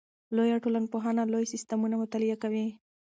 لویه ټولنپوهنه لوی سیستمونه مطالعه کوي.